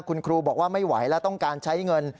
คุณครูบอกว่าไม่ไหวแล้วต้องการใช้เงิน